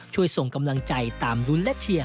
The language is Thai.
ช่วยส่งกำลังใจตามรุ้นและเชียร์